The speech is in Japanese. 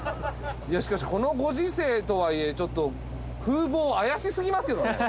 いやしかしこのご時世とはいえちょっと風貌怪しすぎますけどね。